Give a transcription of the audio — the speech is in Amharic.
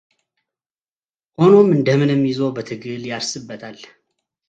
ሆኖም እንደምንም ይዞ በትግል ያርስበታል፡፡